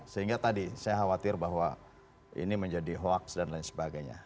sehingga tadi saya khawatir bahwa ini menjadi hoaks dan lain sebagainya